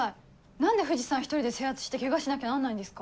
何で藤さん一人で制圧してケガしなきゃなんないんですか？